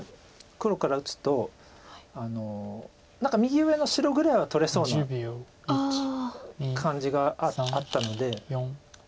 黒から打つと何か右上の白ぐらいは取れそうな感じがあったので。